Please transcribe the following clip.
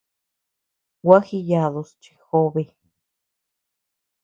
Gua jiyadus chi jobe.